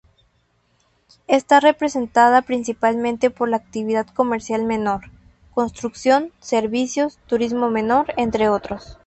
Está representada principalmente por la actividad comercial menor, construcción, servicios, turismo menor, entre otros.